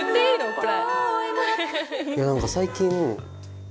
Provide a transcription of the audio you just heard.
これ。